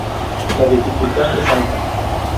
La dificultad es alta.